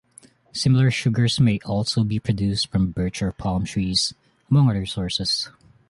Similar sugars may also be produced from birch or palm trees, among other sources.